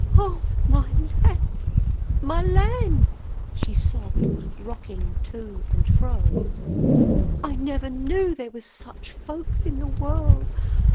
"Oh, my land! my land!" she sobbed, rocking to and fro. "I never knew there was such folks in the world.